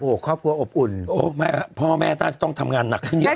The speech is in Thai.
โอ้โหครอบครัวอบอุ่นพ่อแม่ต้องทำงานหนักขึ้นเยอะ